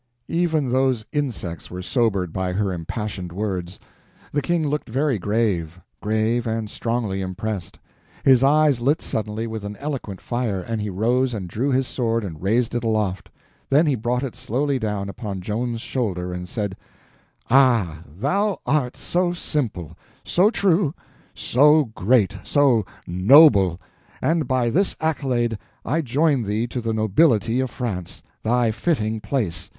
Even those insects were sobered by her impassioned words. The King looked very grave—grave, and strongly impressed. His eyes lit suddenly with an eloquent fire, and he rose and drew his sword and raised it aloft; then he brought it slowly down upon Joan's shoulder and said: "Ah, thou art so simple, so true, so great, so noble—and by this accolade I join thee to the nobility of France, thy fitting place!